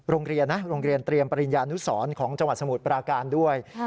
โรงเรียนเตรียมปริญญาณุสรของจสมุทรประการด้วย